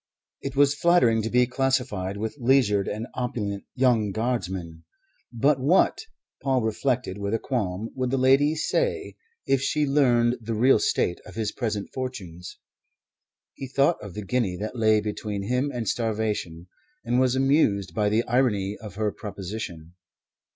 It was flattering to be classified with leisured and opulent young Guardsmen; but what, Paul reflected with a qualm, would the kind lady say if she learned the real state of his present fortunes? He thought of the guinea that lay between him and starvation, and was amused by the irony of her proposition.